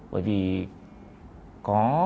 bởi vì có